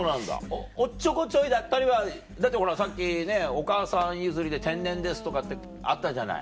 おっちょこちょいだったりは？だってほらさっきねお母さん譲りで天然ですとかってあったじゃない。